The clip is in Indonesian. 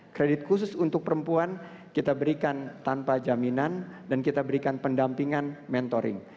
kredit khusus untuk perempuan kita berikan tanpa jaminan dan kita berikan pendampingan mentoring